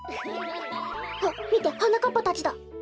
あみてはなかっぱたちだ。